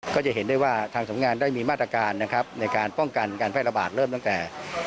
ก็จะเห็นได้ว่าทางสำงานได้มีมาตรการนะครับในการป้องกันการแพร่ระบาดเริ่มตั้งแต่